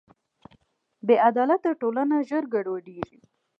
بېعدالته ټولنه ژر ګډوډېږي.